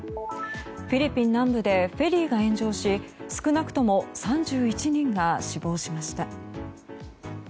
フィリピン南部でフェリーが炎上し少なくとも３１人が死亡しました。